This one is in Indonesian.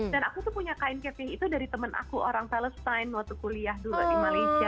dan aku tuh punya kain kasi itu dari temen aku orang palestine waktu kuliah dulu di malaysia